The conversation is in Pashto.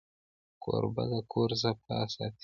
کوربه د کور صفا ساتي.